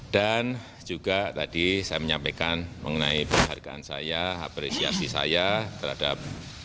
dan juga tadi saya menyampaikan mengenai perhargaan saya apresiasi saya terhadap